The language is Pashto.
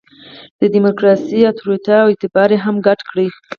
د ډیموکراسي اُتوریته او اعتبار یې هم ګډ کړي.